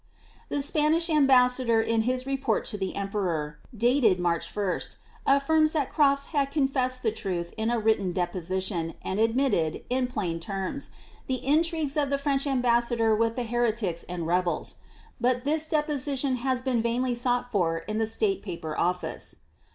"' The Spanish ambassador, in his report to the emperor, dated March 1st, affirms that CroAs had confessed the truth in a written deposition, and admitted, in plain terms, the intrigues of the French ambassador with the heretics and rebels ; but this deposition has been vainly sought for at the State Paper Office.